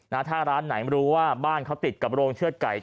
ถ้าร้านไหนรู้ว่าบ้านเขาติดกับโรงเชือดไก่